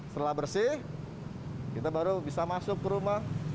setelah bersih kita baru bisa masuk ke rumah